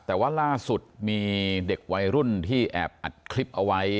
แต่ว่าล่าสุดมีเด็กวัยรุ่นที่แอบอัดคลิปเอาไว้